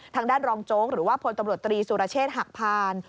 ทางด้านรองโจ๊กหรือว่าพลตำรวจตรีสุรเชษฐหักพาน